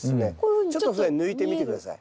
ちょっとそれ抜いてみて下さい。